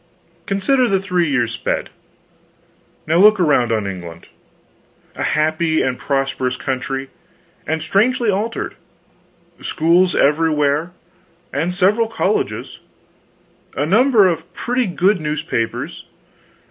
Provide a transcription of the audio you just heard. Consider the three years sped. Now look around on England. A happy and prosperous country, and strangely altered. Schools everywhere, and several colleges; a number of pretty good newspapers.